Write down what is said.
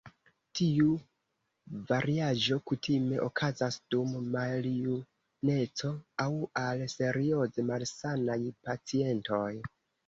Tiu variaĵo kutime okazas dum maljuneco aŭ al serioze malsanaj pacientoj.